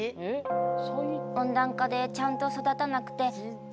温暖化でちゃんと育たなくて。